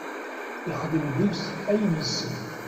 Ixdem deg-s ayen yessen.